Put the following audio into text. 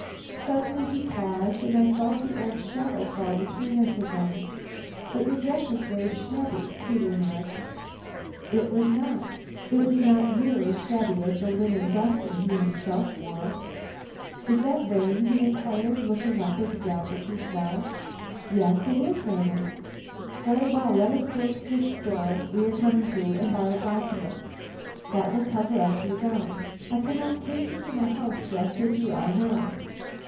Suddenly he paused, and I felt the old shadow fall between us again. 'But your dress is very shabby,' he remarked. "It was not; it was not near as shabby as the linen duster he himself wore. "'Is that rain?' he inquired, looking up as a drop or two fell. "'Yes, it is raining.' "'Very well, let us go into this store we are coming to and buy a gossamer. That will cover up your gown. I cannot take you to my house dressed as you are now.'